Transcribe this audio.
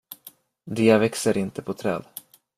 De växer inte på träd.